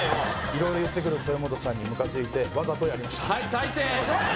色々言ってくる豊本さんにムカついてわざとやりました